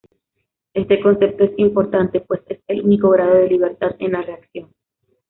Este concepto es importante pues es el único grado de libertad en la reacción.